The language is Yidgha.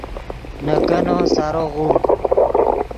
نے کینیکو سارو غوڤڈ